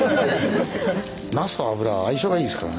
ナスと油は相性がいいですからね。